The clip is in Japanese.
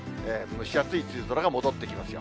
蒸し暑い梅雨空が戻ってきますよ。